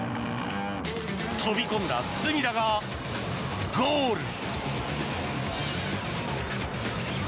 飛び込んだ隅田がゴール！